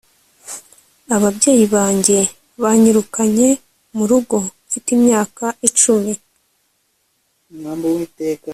ababyeyi banjye banyirukanye mu rugo mfite imyaka icumi